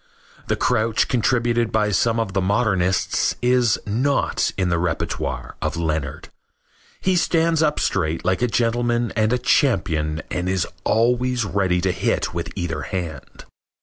The crouch contributed by some of the modernists is not in the repertoire of Leonard. He stands up straight like a gentleman and a champion and is always ready to hit with either hand.